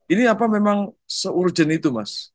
ini apa memang se urgent itu mas